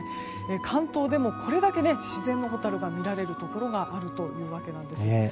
関東でもこれだけ自然のホタルが見られるところがあるというわけです。